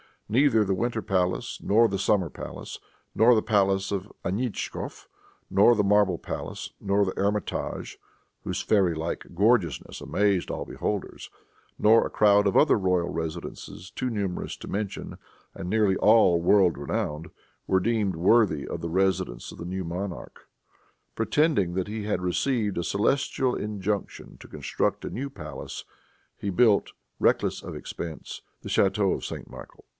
Neither the Winter palace, nor the Summer palace, nor the palace of Anitschkoff, nor the Marble palace, nor the Hermitage, whose fairy like gorgeousness amazed all beholders, nor a crowd of other royal residences, too numerous to mention, and nearly all world renowned, were deemed worthy of the residence of the new monarch. Pretending that he had received a celestial injunction to construct a new palace, he built, reckless of expense, the chateau of St. Michael.